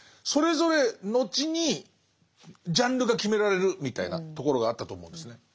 それぞれ後にジャンルが決められるみたいなところがあったと思うんですね。